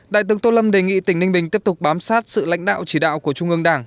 đại tướng tô lâm đề nghị tỉnh ninh bình tiếp tục bám sát sự lãnh đạo chỉ đạo của trung ương đảng